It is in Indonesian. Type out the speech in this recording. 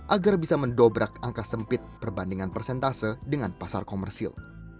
agar bisa mendobrak angka sempit perbandingan persentase dengan pasar komersil